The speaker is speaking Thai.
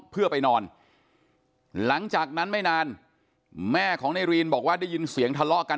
เพื่อไปนอนหลังจากนั้นไม่นานแม่ของในรีนบอกว่าได้ยินเสียงทะเลาะกัน